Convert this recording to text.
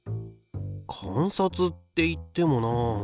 観察っていってもなあ。